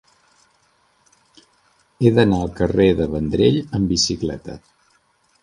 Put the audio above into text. He d'anar al carrer de Vendrell amb bicicleta.